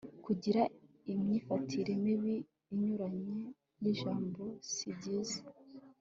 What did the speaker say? kugira imyifatire mibi inyuranye n'ijambo si byiza